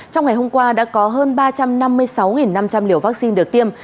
trong ngày hôm qua đã có hơn ba trăm năm mươi sáu năm trăm linh liều vaccine được tiêm